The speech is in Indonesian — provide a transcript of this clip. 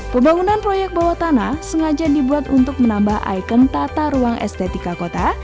pembangunan proyek bawah tanah sengaja dibuat untuk menambah ikon tata ruang estetika kota